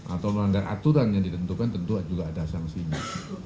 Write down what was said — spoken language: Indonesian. atau melanggar aturan yang ditentukan tentu juga ada sanksinya